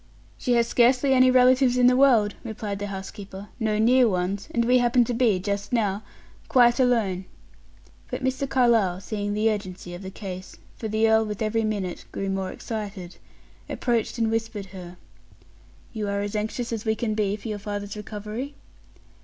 "She has scarcely any relatives in the world," replied the housekeeper; "no near ones; and we happen to be, just now, quite alone." But Mr. Carlyle, seeing the urgency of the case, for the earl, with every minute, grew more excited, approached and whispered her: "You are as anxious as we can be for your father's recovery?"